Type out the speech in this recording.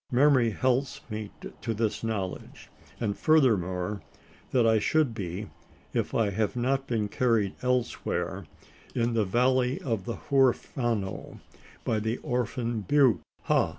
Memory helps me to this knowledge; and furthermore, that I should be, if I have not been carried elsewhere, in the valley of the Huerfano by the Orphan Butte. Ha!